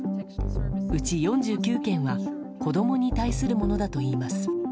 うち４９件が子供に対するものだといいます。